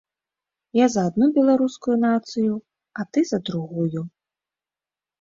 Я за адну беларускую нацыю, а ты за другую.